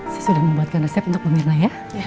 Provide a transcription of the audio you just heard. saya sudah membuatkan resep untuk pemirsa ya